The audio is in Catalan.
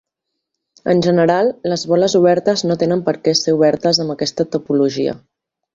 En general, les boles obertes no tenen per què ser obertes amb aquesta topologia.